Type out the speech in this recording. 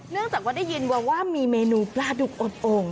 เนื่องจากว่าได้ยินว่ามีเมนูปลาดุกอบโอ่ง